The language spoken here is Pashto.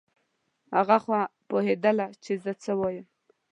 هغه خو پوهېدله چې زه څه وایم.